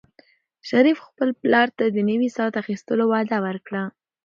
شریف خپل پلار ته د نوي ساعت اخیستلو وعده ورکړه.